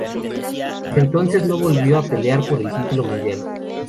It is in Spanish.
Desde entonces no volvió a pelear por el título mundial.